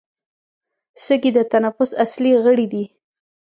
سږي د تنفس اصلي غړي دي